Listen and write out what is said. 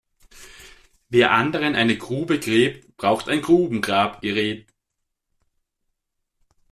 Wer anderen eine Grube gräbt, braucht ein Grubengrabgerät.